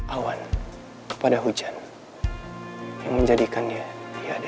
awan kepada hujan yang menjadikannya tiada